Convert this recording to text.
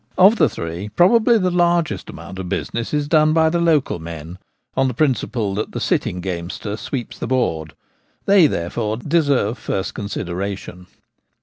Of the three probably the largest amount of business is done by the local men, on the principle that the sitting gamester sweeps the board. They therefore deserve first consideration.